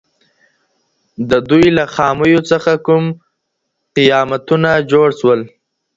د دوی له خامیو څخه کوم قیامتونه جوړ سول؟